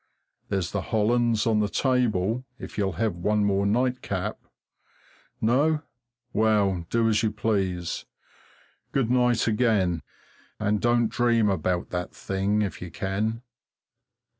There's the Hollands on the table, if you'll have one more nightcap. No? Well, do as you please. Good night again, and don't dream about that thing, if you can.